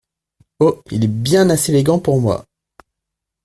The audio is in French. Oh ! il est bien assez élégant pour moi.